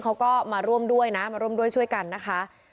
เขาก็มาร่วมด้วยนะมาร่วมด้วยช่วยกันนะคะ